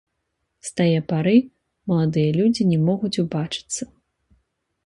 З тае пары маладыя людзі не могуць убачыцца.